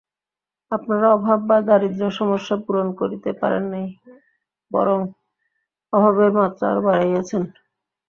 আপনারা অভাব বা দারিদ্র্য-সমস্যা পূরণ করিতে পারেন নাই, বরং অভাবের মাত্রা আরও বাড়াইয়াছেন।